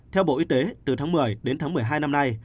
theo bộ y tế từ tháng một mươi đến tháng một mươi hai năm nay